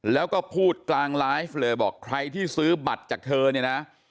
แล้วก็พูดกลางไลฟ์เลยบอกใครที่ซื้อบัตรจากเธอเนี่ยนะ